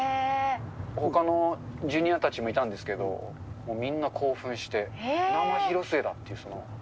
ほかのＪｒ．たちもいたんですけど、みんな興奮して、生広末だって。